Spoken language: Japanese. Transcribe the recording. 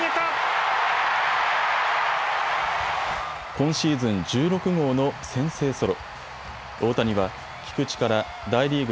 今シーズン１６号の先制ソロ。